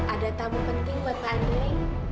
ada tamu penting buat pak andre